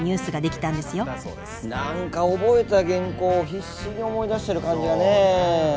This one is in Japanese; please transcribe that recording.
何か覚えた原稿を必死に思い出してる感じだねえ。